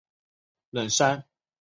冷杉的叶与松科其他属植物不同。